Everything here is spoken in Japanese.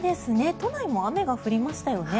都内も雨が降りましたよね。